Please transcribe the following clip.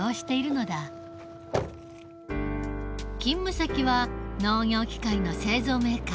勤務先は農業機械の製造メーカー。